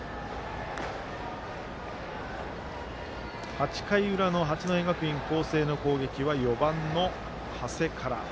８回裏の、八戸学院光星の攻撃は４番の長谷から。